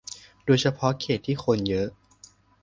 โดยเฉพาะเขตที่คนเยอะ